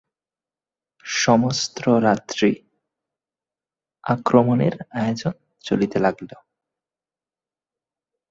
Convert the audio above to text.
সমস্ত রাত্রি আক্রমণের আয়োজন চলিতে লাগিল।